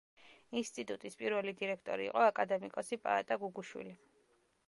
ინსტიტუტის პირველი დირექტორი იყო აკადემიკოსი პაატა გუგუშვილი.